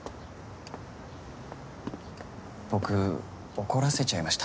僕怒らせちゃいました？